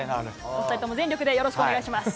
お２人とも、全力でよろしくお願いします。